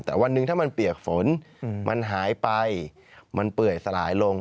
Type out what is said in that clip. แต่วันหนึ่งถ้ามันเปียกฝนมันหายไปมันเปื่อยสลายลง